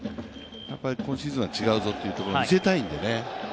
今シーズンは違うぞというところを見せたいんでね。